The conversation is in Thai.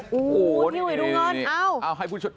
พี่ผู้หญิงดูหน่อย